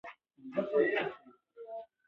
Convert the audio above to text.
ښارونه د تکنالوژۍ له پرمختګ سره تړاو لري.